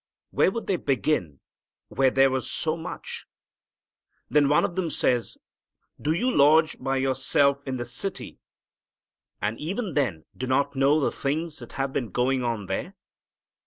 Where would they begin where there was so much? Then one of them says, "Do you lodge by yourself in the city, and even then do not know the things that have been going on there?"